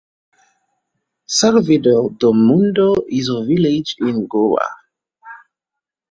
Salvador Do Mundo is a village in Goa.